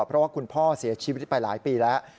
เพราะว่าคุณพ่อเสียชีวิตไปหลายปีแล้ว